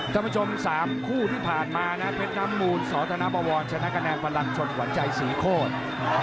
ท่านผู้ชม๓คู่ที่ผ่านมานะเพชรน้ำมูลสธนบวรชนะคะแนนพลังชนขวัญใจศรีโคตร